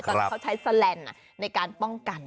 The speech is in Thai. ตอนนี้เขาใช้สแลนด์ในการป้องกัน